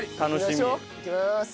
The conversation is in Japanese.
行きます。